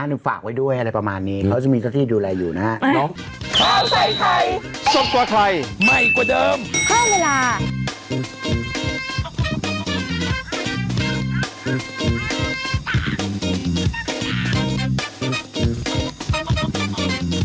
หนึ่งฝากไว้ด้วยอะไรประมาณนี้เขาจะมีเจ้าที่ดูแลอยู่นะฮะ